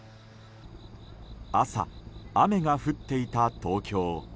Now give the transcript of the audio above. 朝、雨が降っていた東京。